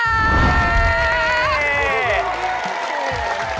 โอเค